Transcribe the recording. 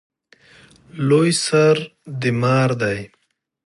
لوی سر د مار دی